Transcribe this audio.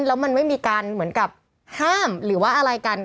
แล้วมันไม่มีการเหมือนกับห้ามหรือว่าอะไรกัน